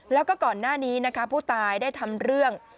แล้วก็ก่อนหน้านี้นะคะผู้ตายได้ทำเรื่อง